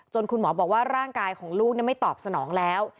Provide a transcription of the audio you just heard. คุณหมอบอกว่าร่างกายของลูกไม่ตอบสนองแล้ว